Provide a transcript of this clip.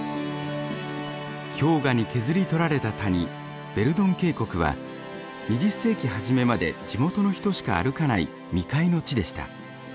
氷河に削り取られた谷ヴェルドン渓谷は２０世紀初めまで地元の人しか歩かない未開の地でした。